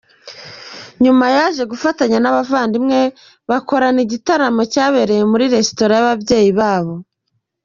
Nyuma yaje gufatanya n’abavandimwe be bakora igitaramo cyabereye muri resitora y’ababyeyi babo.